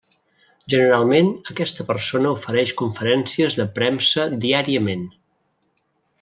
Generalment aquesta persona ofereix conferències de premsa diàriament.